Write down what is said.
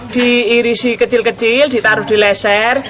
diirisi kecil kecil ditaruh di leser